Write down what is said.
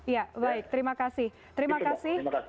ya baik terima kasih